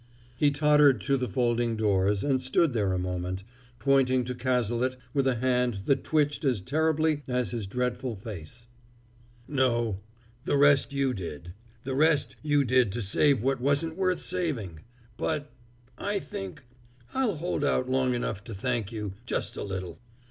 He tottered to the folding doors, and stood there a moment, pointing to Cazalet with a hand that twitched as terribly as his dreadful face. "No the rest you did the rest you did to save what wasn't worth saving! But I think I'll hold out long enough to thank you just a little!"